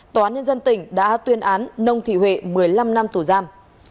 tòa án nhân dân tỉnh đã tuyên án nông thị huệ một mươi năm năm tù giam